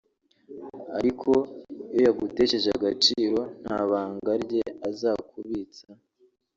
ariko iyo yagutesheje agaciro nta banga rye azakubitsa